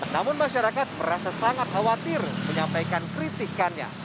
namun masyarakat merasa sangat khawatir menyampaikan kritikannya